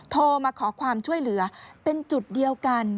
โทรมาขอความช่วยเหลือเป็นจุดเดียวกัน